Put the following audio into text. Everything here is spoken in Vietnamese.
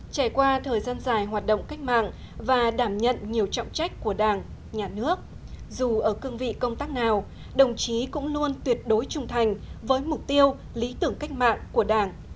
trải qua thời gian dài hoạt động cách mạng và đảm nhận nhiều trọng trách của đảng nhà nước dù ở cương vị công tác nào đồng chí cũng luôn tuyệt đối trung thành với mục tiêu lý tưởng cách mạng của đảng